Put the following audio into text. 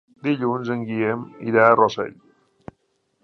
Dilluns en Guillem irà a Rossell.